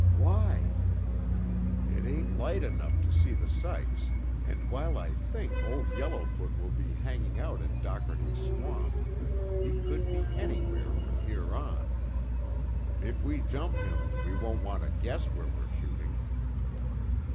"Why?" "It ain't light enough to see the sights, and while I think Old Yellowfoot will be hanging out in Dockerty's Swamp, he could be anywhere from here on. If we jump him, we don't want to guess where we're shooting."